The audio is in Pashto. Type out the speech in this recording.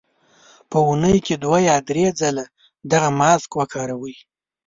په اونۍ کې دوه یا درې ځله دغه ماسک وکاروئ.